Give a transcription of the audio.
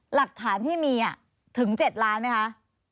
หลักฐานที่มีถึง๗ล้านไหมคะ